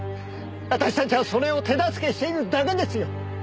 私たちはそれを手助けしているだけですよ。